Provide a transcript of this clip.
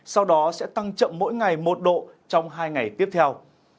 sau đó sẽ tăng chậm mỗi ngày một độ trong hai ngày tiếp theo